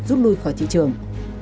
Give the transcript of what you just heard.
rút lui khỏi thị trường